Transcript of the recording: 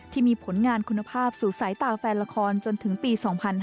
ที่มีผลงานคุณภาพสู่สายตาแฟนละครจนถึงปี๒๕๕๙